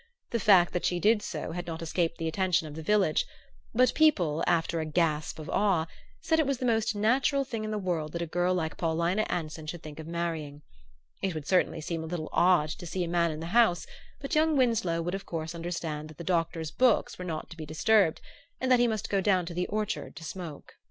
The fact that she did so had not escaped the attention of the village; but people, after a gasp of awe, said it was the most natural thing in the world that a girl like Paulina Anson should think of marrying. It would certainly seem a little odd to see a man in the House, but young Winsloe would of course understand that the Doctor's books were not to be disturbed, and that he must go down to the orchard to smoke